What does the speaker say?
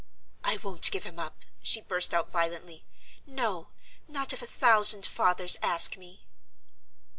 "I won't give him up!" she burst out violently. "No! not if a thousand fathers ask me!"